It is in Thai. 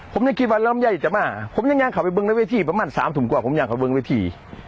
ผมยังคิดว่ารำใยจะมาผมยังยังขอไปเบื้องระเวทีประมาณสามถุงกว่าผมยังขอเบื้องระเวที